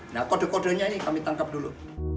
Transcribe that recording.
nah kode kodenya ini kami tangkap dulu